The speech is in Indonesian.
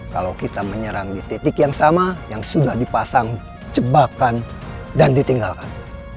kalau kita menyerang di titik yang sama yang sudah dipasang jebakan dan ditinggalkan